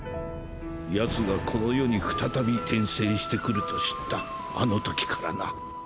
ヤツがこの世に再び転生してくると知ったあのときからな。